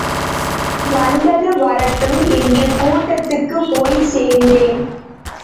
வந்தது வரட்டும் என்று கூட்டத்துக்குப் போய்ச் சேர்ந்தேன்.